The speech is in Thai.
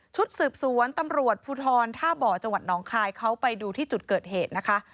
ชุดสืบสวนตำรวจภูทรท่าบ่อจังหวัดน้องคายเขาไปดูที่จุดเกิดเหตุนะคะ